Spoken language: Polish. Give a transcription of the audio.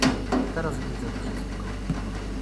"Teraz widzę wszystko!"